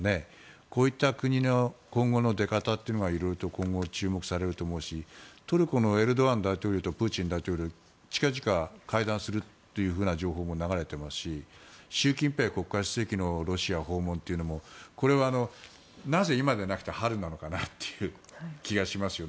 こういった国の今後の出方というのは色々と今後注目されると思うしトルコのエルドアン大統領とプーチン大統領は近々、会談するというふうな情報も流れていますし習近平国家主席のロシア訪問というのもこれはなぜ今でなくて春なのかなという気がしますよね。